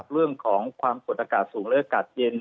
เรื่องของความกดอากาศสูงและอากาศเย็น